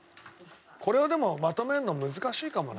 これはでもまとめるの難しいかもな。